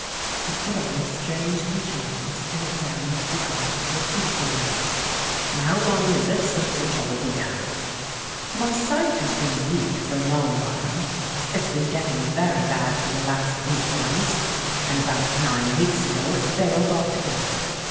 He put on a strange contriv ance and examined the eyes through a peephole in it. ... "And how long is it since the trouble began?" THE LAURELS AND THE LADY 147 "My sight has been weak for a long while. It's been getting very bad for the last eight months ; and about nine weeks ago it failed alto gether.